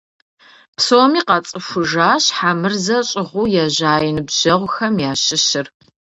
Псоми къацӀыхужащ Хьэмырзэ щӀыгъуу ежьа и ныбжьэгъухэм ящыщыр.